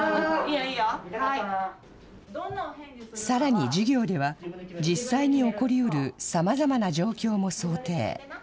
さらに授業では、実際に起こりうるさまざまな状況も想定。